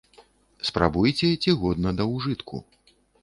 Спрабуйце, ці годна да ўжытку.